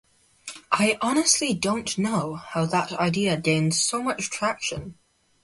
I honestly don’t know how that idea gained so much traction.